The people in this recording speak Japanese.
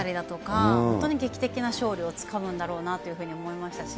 本当に劇的な勝利をつかむんだろうなというふうに思いましたし。